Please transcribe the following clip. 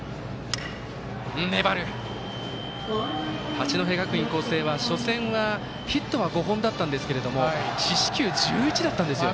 八戸学院光星は初戦はヒットは５本だったんですけども四死球１１だったんですよね。